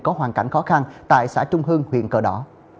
có hoàn cảnh khó khăn tại xã trung hương huyện cờ đỏ